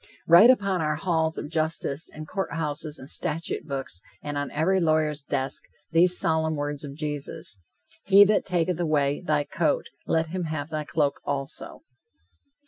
Write upon our halls of justice and courthouses and statute books, and on every lawyer's desk, these solemn words of Jesus: "He that taketh away thy coat, let him have thy cloak also."